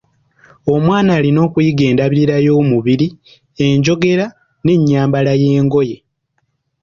Omwana alina okuyiga endabirira y’emubiri, enjogera n'ennyambala y'engoye.